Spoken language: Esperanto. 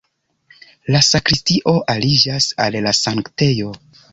La sakristio aliĝas al la sanktejo.